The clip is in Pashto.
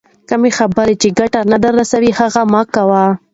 کمه خبر چي ګټه نه در رسوي، هغه مه کوئ!